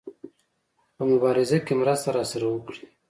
په مبارزه کې مرسته راسره وکړي.